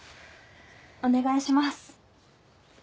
お願いします。